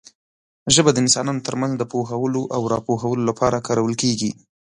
ژبه د انسانانو ترمنځ د پوهولو او راپوهولو لپاره کارول کېږي.